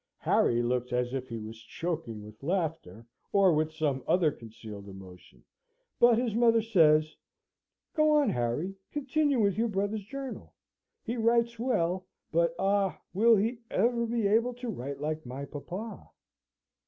Harry looks as if he was choking with laughter, or with some other concealed emotion, but his mother says, "Go on, Harry! Continue with your brother's journal. He writes well: but, ah, will he ever be able to write like my papa?"